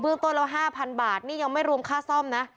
เบื้องต้นแล้ว๕๐๐๐บาทนี่ยังไม่รวมค่าซ่อมนะ